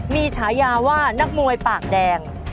มีฉายาว่านักมวยปากแดง